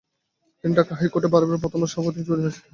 তিনি ঢাকা হাইকোর্ট বারের প্রথম সভাপতি নির্বাচিত হন।